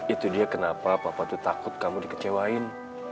itu dia kenapa papa itu takut kamu dikecewain